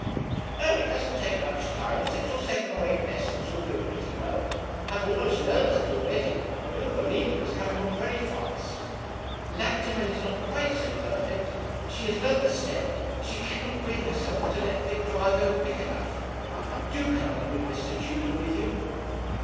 'Oh, it doesn't take much time six or seven or eight lessons will do it pretty well. I have almost learnt it already, and Ugolina is coming on very fast. Lactimel is not quite so perfect. She has learnt the step, but she cannot bring herself to let Victoire go quick enough. Do come, and bring Mr. Tudor with you.'